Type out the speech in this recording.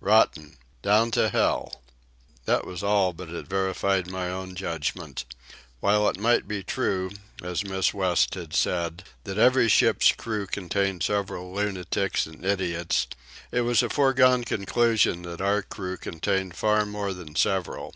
Rotten. Down to hell." That was all, but it verified my own judgment. While it might be true, as Miss West had said, that every ship's crew contained several lunatics and idiots, it was a foregone conclusion that our crew contained far more than several.